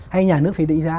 hay nhà nước phải định giá